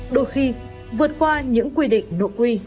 đôi khi vượt qua những quy định nộp